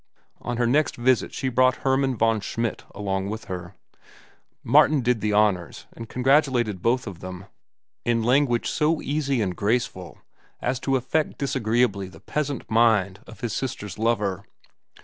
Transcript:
On her next visit she brought Hermann von Schmidt along with her. Martin did the honors and congratulated both of them in language so easy and graceful as to affect disagreeably the peasant mind of his sister's lover.